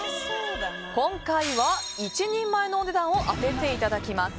今回は、１人前のお値段を当てていただきます。